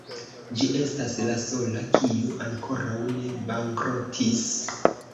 Ĝi estas la sola, kiu ankoraŭ ne bankrotis.